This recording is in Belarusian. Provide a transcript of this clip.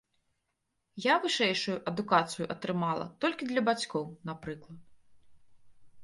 Я вышэйшую адукацыю атрымала толькі для бацькоў, напрыклад.